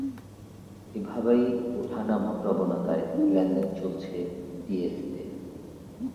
এভাবেই ওঠানামা প্রবণতায় লেনদেন চলছে ডিএসইতে।